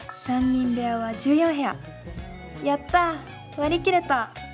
やった割り切れた！